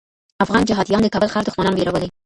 افغان جهاديان د کابل ښار دښمنان ویرولي.